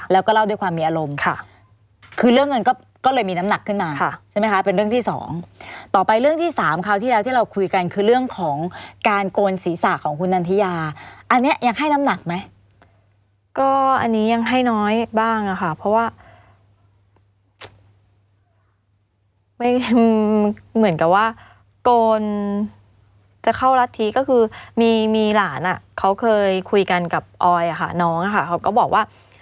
แล้วก็เล่าด้วยความมีอารมณ์ค่ะคือเรื่องเงินก็เลยมีน้ำหนักขึ้นมาใช่ไหมคะเป็นเรื่องที่สองต่อไปเรื่องที่สามคราวที่แล้วที่เราคุยกันคือเรื่องของการโกนศีรษะของคุณนันทิยาอันนี้ยังให้น้ำหนักไหมก็อันนี้ยังให้น้อยบ้างอะค่ะเพราะว่าไม่เหมือนกับว่าโกนจะเข้ารัฐทีก็คือมีมีหลานอ่ะเขาเคยคุยกันกับออยค่ะน้องอะค่ะเขาก็บอกว่า